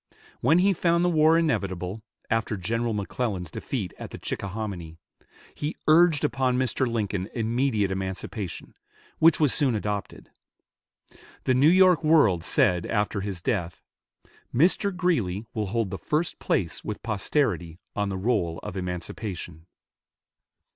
When he found the war inevitable, after General McClellan's defeat at the Chickahominy, he urged upon Mr. Lincoln immediate emancipation, which was soon adopted. The "New York World" said after his death, "Mr. Greeley will hold the first place with posterity on the roll of emancipation."